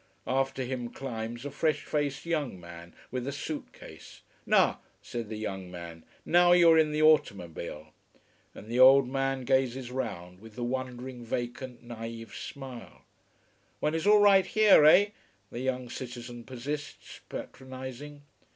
After him climbs a fresh faced young man with a suit case. "Na!" said the young man. "Now you are in the automobile." And the old man gazes round with the wondering, vacant, naïve smile. "One is all right here, eh?" the young citizen persists, patronizing.